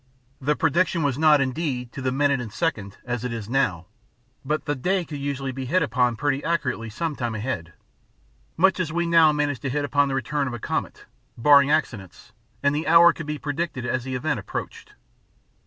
The prediction was not, indeed, to the minute and second, as it is now; but the day could usually be hit upon pretty accurately some time ahead, much as we now manage to hit upon the return of a comet barring accidents; and the hour could be predicted as the event approached.